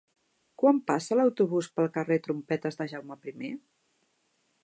Quan passa l'autobús pel carrer Trompetes de Jaume I?